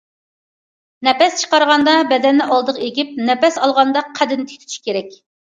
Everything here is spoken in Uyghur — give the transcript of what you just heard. نەپەس چىقارغاندا بەدەننى ئالدىغا ئېگىپ، نەپەس ئالغاندا قەددىنى تىك تۇتۇش كېرەك.